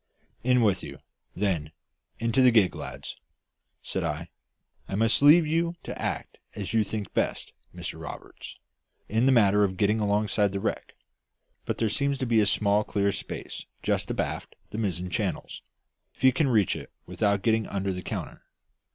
"In with you, then, into the gig, lads," said I. "I must leave you to act as you think best, Mr Roberts, in the matter of getting alongside the wreck; but there seems to be a small clear space just abaft the mizzen channels, if you can reach it without getting under the counter.